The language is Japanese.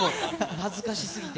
恥ずかしすぎて。